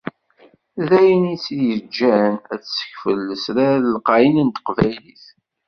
D ayen i tt-yeǧǧan ad d-tessekfel lesrar lqayen n Teqbaylit.